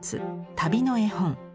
「旅の絵本」。